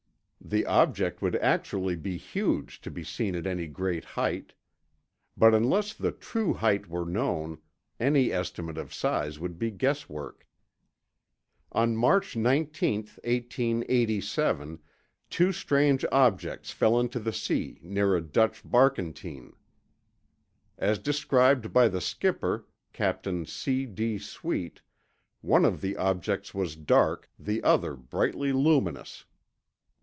The object would actually be huge to be seen at any great height. But unless the true height were known, any estimate of size would be guesswork. On March 19, 1887, two strange objects fell into the sea near a Dutch barkentine. As described by the skipper, Captain C. D. Sweet, one of the objects was dark, the other brightly luminous.